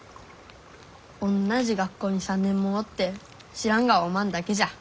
おんなじ学校に３年もおって知らんがはおまんだけじゃ。